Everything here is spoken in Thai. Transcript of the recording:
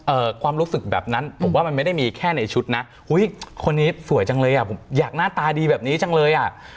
ความรู้สึกแบบนั้นผมว่ามันไม่ได้มีแค่ในชุดนะอุ้ยคนนี้สวยจังเลยอ่ะผมอยากหน้าตาดีแบบนี้จังเลยอ่ะ